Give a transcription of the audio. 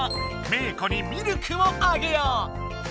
メー子にミルクをあげよう！